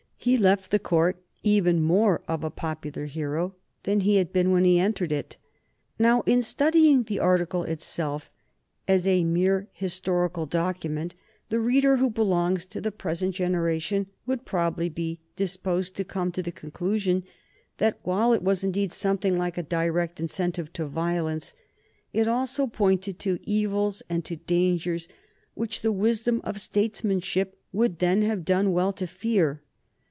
He left the court even more of a popular hero than he had been when he entered it. Now, in studying the article itself as a mere historical document, the reader who belongs to the present generation would probably be disposed to come to the conclusion that, while it was indeed something like a direct incentive to violence, it also pointed to evils and to dangers which the wisdom of statesmanship would then have done well to fear.